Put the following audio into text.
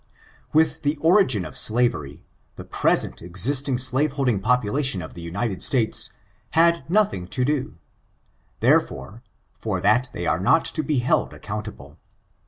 With the origin of slavery, the present existing slaveholding population of the United States, had nothing to do — therefore, for that they arc not to be held accountable.